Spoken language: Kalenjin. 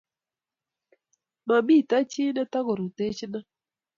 Mamito chii ne tukorutochino